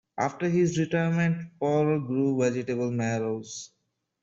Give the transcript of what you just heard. After his retirement, Poirot grew vegetable marrows.